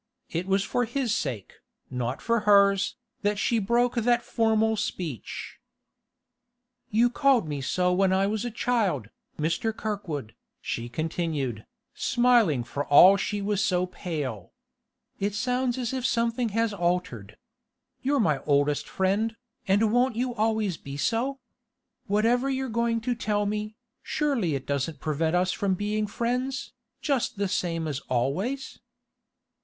It was for his sake, not for hers, that she broke that formal speech. 'You called me so when I was a child, Mr. Kirkwood,' she continued, smiling for all she was so pale. 'It sounds as if something had altered. You're my oldest friend, and won't you always be so? Whatever you're going to tell me, surely it doesn't prevent us from being friends, just the same as always?